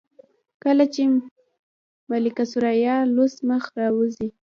کله چې ملکه ثریا لوڅ مخ راځي.